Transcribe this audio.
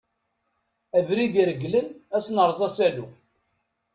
Abrid i reglen, ad s-nerreẓ asalu.